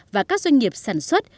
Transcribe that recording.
và các doanh nghiệp sản xuất